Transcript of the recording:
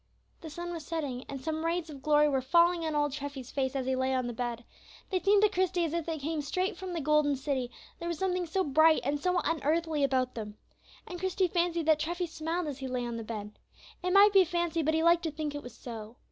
The sun was setting, and some rays of glory were falling on old Treffy's face as he lay on the bed. They seemed to Christie as if they came straight from the golden city, there was something so bright and so unearthly about them. And Christie fancied that Treffy smiled as he lay on the bed. It might be fancy, but he liked to think it was so.